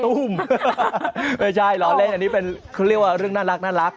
ตุ้มไม่ใช่เหรอเล่นอันนี้เป็นเรื่องน่ารัก